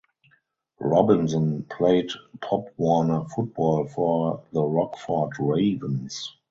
Robinson played Pop Warner Football for the Rockford Ravens.